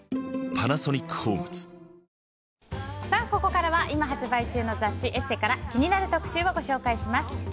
ここからは今発売中の雑誌「ＥＳＳＥ」から気になる特集をご紹介します。